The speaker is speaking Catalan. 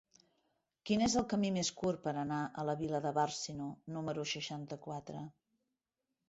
Quin és el camí més curt per anar a la via de Bàrcino número seixanta-quatre?